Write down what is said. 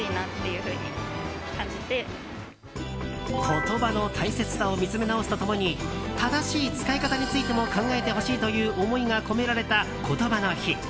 言葉の大切さを見つめ直すと共に正しい使い方についても考えてほしいという思いが込められたことばの日。